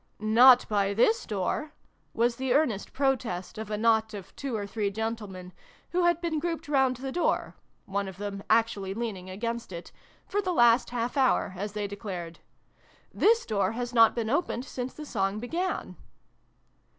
" Not by this door !" was the earnest protest of a knot of two or three gentlemen, who had been grouped round the door (one of them actually leaning against it) for the last half hour, as they declared. " This door has not been opened since the song began